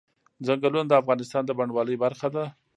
ځنګلونه د افغانستان د بڼوالۍ برخه ده.